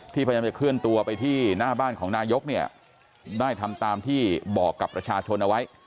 พยายามจะเคลื่อนตัวไปที่หน้าบ้านของนายกเนี่ยได้ทำตามที่บอกกับประชาชนเอาไว้